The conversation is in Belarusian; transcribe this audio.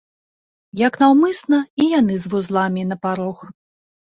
Як наўмысна, і яны з вузламі на парог.